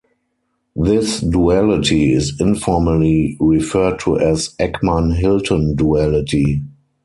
This duality is informally referred to as Eckmann-Hilton duality.